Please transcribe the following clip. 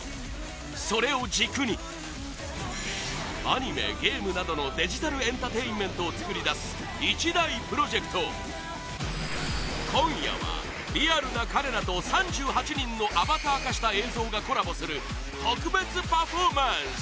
それを軸にアニメ、ゲームなどのデジタルエンターテインメントを作り出す一大プロジェクト今夜は、リアルな彼らと３８人のアバター化した映像がコラボする特別パフォーマンス！